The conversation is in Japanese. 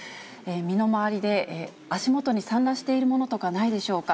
身の回りで足元に散乱しているものとかないでしょうか。